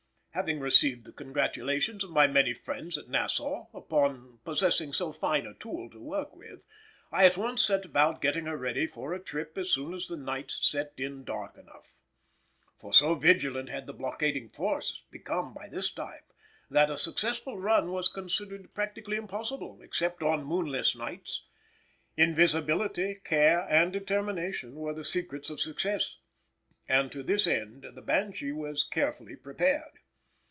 Having received the congratulations of my many friends at Nassau upon possessing so fine a tool to work with, I at once set about getting her ready for a trip as soon as the nights set in dark enough. For so vigilant had the blockading force become by this time, that a successful run was considered practically impossible except on moonless nights. Invisibility, care, and determination were the secrets of success, and to this end the Banshee was carefully prepared.